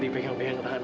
kenapa aku jadi pengen